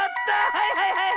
はいはいはい！